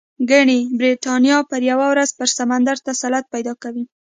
ګنې برېټانیا به یوه ورځ پر سمندر تسلط پیدا کوي.